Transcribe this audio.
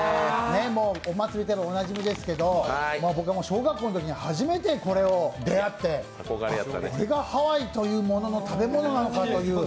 お祭りでもおなじみですけど僕は小学校のときに初めてこれに出会って、あっ、これがハワイというものの食べ物なのかという。